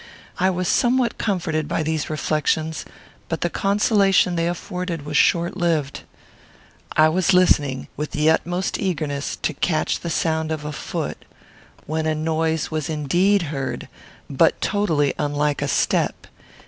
I was somewhat comforted by these reflections, but the consolation they afforded was short lived. I was listening with the utmost eagerness to catch the sound of a foot, when a noise was indeed heard, but totally unlike a step.